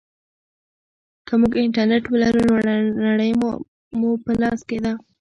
که موږ انټرنیټ ولرو نو نړۍ مو په لاس کې ده.